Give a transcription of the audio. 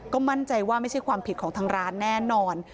ก็มั่นใจว่าไม่ใช่ความผิดของทางร้านแน่นอน